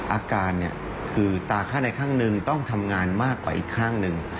อาการเนี่ยคือตาข้างในข้างหนึ่งต้องทำงานมากกว่าอีกข้างหนึ่ง